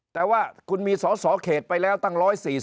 แต่ว่าคุณมีสอสอเขตไปแล้วตั้ง๑๔๐